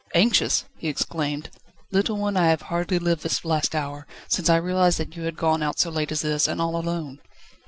"Anxious!" he exclaimed. "Little one, I have hardly lived this last hour, since I realised that you had gone out so late as this, and all alone."